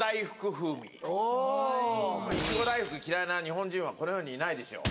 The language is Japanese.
風味おおいちご大福嫌いな日本人はこの世にいないでしょう